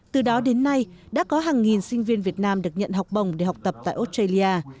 từ đó đến nay đã có hàng nghìn sinh viên việt nam được nhận học bổng để học tập tại australia